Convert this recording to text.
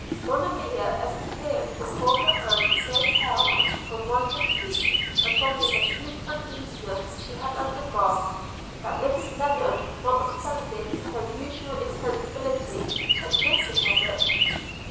Monimia appeared before her aunt so pale, from want of sleep, and from the acute uneasiness she had undergone, that Mrs Lennard, notwithstanding her usual insensibility, took notice of it.